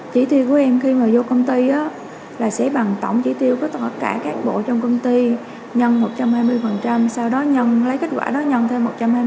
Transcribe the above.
chỉ tiêu của em khi mà vô công ty là sẽ bằng tổng chỉ tiêu của tất cả các bộ trong công ty nhân một trăm hai mươi sau đó nhân lấy kết quả đó nhân thêm một trăm hai mươi